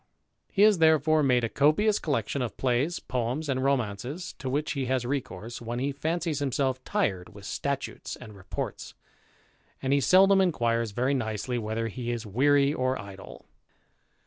He has therefore made a copious collection of plays, poems, and romances, to which he has recourse when he fancies himself tired with statutes and reports; and he seldom inquires very nicely whether he is weary or idle.